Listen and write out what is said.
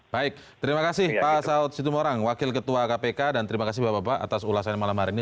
baik terima kasih pak saud situmorang wakil ketua kpk dan terima kasih bapak bapak atas ulasannya malam hari ini